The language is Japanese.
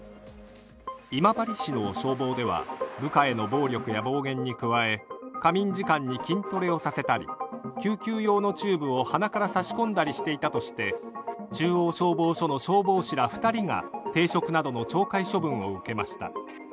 今治市の消防では部下への暴力や暴言に加え仮眠時間に筋トレをさせたり救急用のチューブを鼻から差し込んだりしていたとして中央消防署の消防士ら２人が停職などの懲戒処分を受けました。